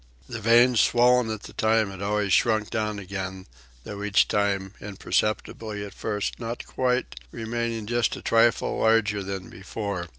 The veins, swollen at the time, had always shrunk down again, though each time, imperceptibly at first, not quite remaining just a trifle larger than before.